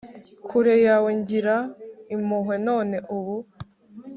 kure yawe, ngirira impuhwe, none ubu